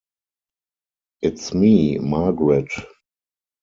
It's Me, Margaret.